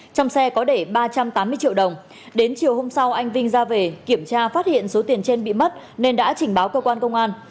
trong xe có để ba trăm tám mươi triệu đồng đến chiều hôm sau anh vinh ra về kiểm tra phát hiện số tiền trên bị mất nên đã trình báo cơ quan công an